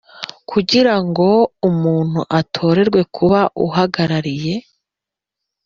Kugira ngo umuntu atorerwe kuba Uhagarariye